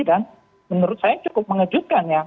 dan menurut saya cukup mengejutkan ya